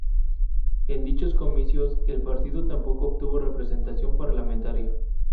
En dichos comicios, el partido tampoco obtuvo representación parlamentaria.